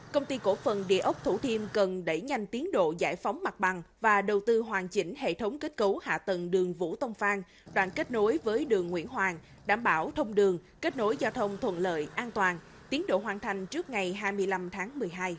công ty cổ phần địa ốc thủ thiêm cần đẩy nhanh tiến độ giải phóng mặt bằng và đầu tư hoàn chỉnh hệ thống kết cấu hạ tầng đường vũ tông phan đoạn kết nối với đường nguyễn hoàng đảm bảo thông đường kết nối giao thông thuận lợi an toàn tiến độ hoàn thành trước ngày hai mươi năm tháng một mươi hai